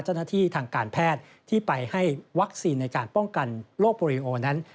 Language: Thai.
เจ้าหน้าที่ทางการแพทย์ที่ไปให้วัคซีนในการป้องกันโรคโปรโลโอนั้น